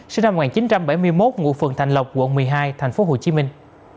sinh năm một nghìn chín trăm bảy mươi một ngụ phường thành lộc quận một mươi hai thành phố hồ chí minh